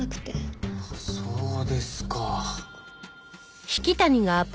そうですか。